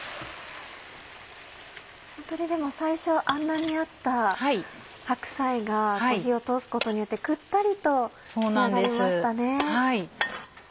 ホントに最初あんなにあった白菜が火を通すことによってクッタリと仕上がりましたね。